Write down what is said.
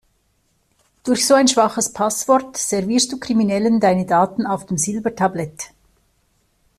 Durch so ein schwaches Passwort servierst du Kriminellen deine Daten auf dem Silbertablett.